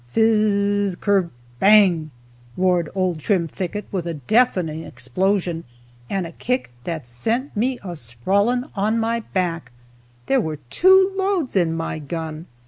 "Fiz z z kerbang!" roared old Trimthicket with a deafening explosion, and a kick that sent me a sprawling on my back! There were two loads in my gun!